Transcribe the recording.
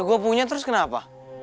ya gua punya terus kenapa